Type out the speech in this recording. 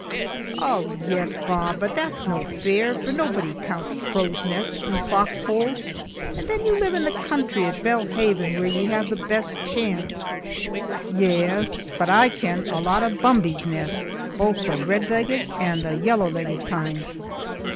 "Oh, yes, Bob, but that's no fair, for naebody counts craw's nests and fox holes, and then you live in the country at Belle haven where ye have the best chance." "Yes, but I ken a lot of bumbee's nests, baith the red legged and the yellow legged kind."